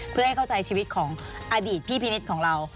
เพื่อให้เข้าใจชีวิตของอดีตพีพีนนิชครับ